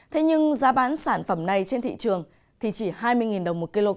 thế nhưng giá bán sản phẩm này trên thị trường thì chỉ hai mươi đồng một kg